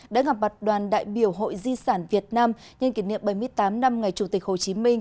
đã gặp mặt đoàn đại biểu hội di sản việt nam nhân kỷ niệm bảy mươi tám năm ngày chủ tịch hồ chí minh